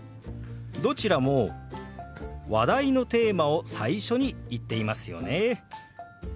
どちらも話題のテーマを最初に言っていますよね。